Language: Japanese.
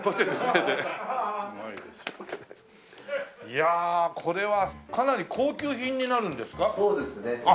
いやあこれはかなり高級品になるんですか？